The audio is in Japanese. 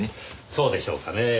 そうでしょうかねぇ？